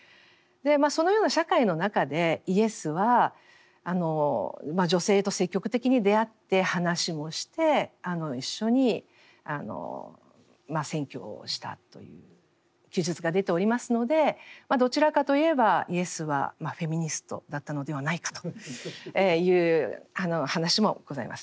そのような社会の中でイエスは女性と積極的に出会って話もして一緒に宣教したという記述が出ておりますのでどちらかといえばイエスはフェミニストだったのではないかという話もございます。